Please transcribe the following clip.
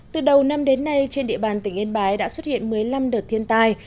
từ đầu năm đến nay trên địa bàn tỉnh yên bái đã xuất hiện một mươi năm đợt thiên tai